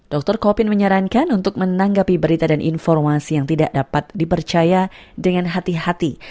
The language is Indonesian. dr kopin menyarankan untuk menanggapi berita dan informasi yang tidak dapat dipercaya dengan hati hati